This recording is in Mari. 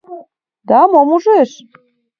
Да мом ужеш?